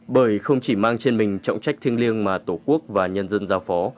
bởi không chỉ mang trên mình trọng trách thiêng liêng mà tổ quốc và nhân dân giao phó